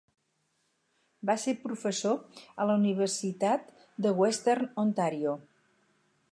Va ser professor a la Universitat de Western Ontario.